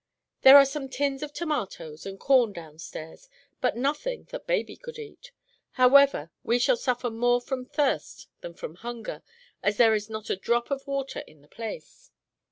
There are some tins of tomatoes and corn down stairs, but nothing that baby could eat. However, we shall suffer more from thirst than from hunger, as there is not a drop of water in the place."